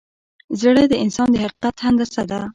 زړه د انسان د حقیقت هندسه ده.